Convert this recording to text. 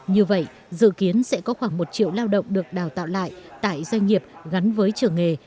như vậy dự kiến sẽ có khoảng một triệu lao động được đào tạo lại tại doanh nghiệp gắn với trường nghề